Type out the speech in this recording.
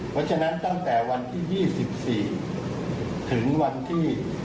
เพราะฉะนั้นตั้งแต่วันที่๒๔ถึงวันที่